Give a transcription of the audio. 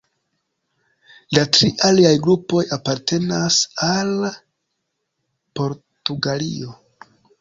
La tri aliaj grupoj apartenas al Portugalio.